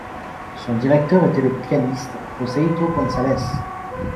Son directeur était le pianiste Joseíto González.